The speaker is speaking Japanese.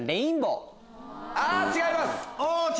違います！